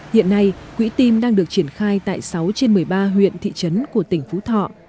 hiện nay quỹ team đang được triển khai tại sáu trên một mươi ba huyện thị trấn của tỉnh phú thọ